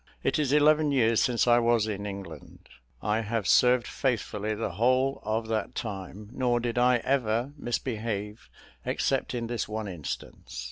It is eleven years since I was in England; I have served faithfully the whole of that time, nor did I ever misbehave except in this one instance.